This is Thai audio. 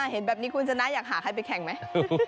เห็นแบบนี้คุณชนะอยากหาใครไปแข่งไหม